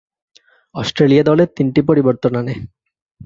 Australia দলে তিনটি পরিবর্তন আনে।